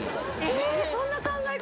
そんな考え方？